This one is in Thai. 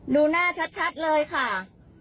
ดูหน้าชัดเลยค่ะ